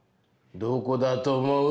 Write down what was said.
どこだと思う？